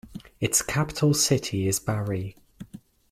Its capital city is Bari.